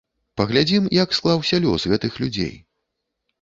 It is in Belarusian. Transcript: Паглядзім, як склаўся лёс гэтых людзей.